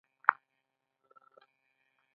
ګډه پوهه د ټولنې حکمت بلل کېږي.